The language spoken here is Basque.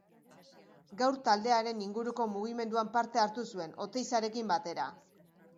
Gaur taldearen inguruko mugimenduan parte hartu zuen, Oteizarekin batera.